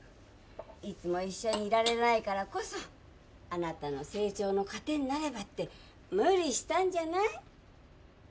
いつも一緒にいられないからこそあなたの成長の糧になればって無理したんじゃない？